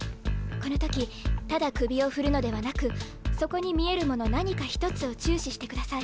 この時ただ首を振るのではなくそこに見えるもの何か一つを注視してください。